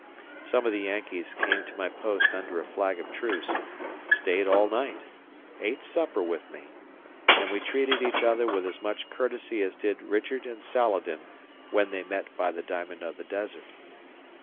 Some of the Yankees came to my post under a flag of truce stayed all night, ate supper with me; and we treated each other with as much courtesy as did Richard and Saladin when they met by the Diamond of the Desert.